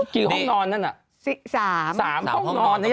กี่ห้องนอนนั่นนะ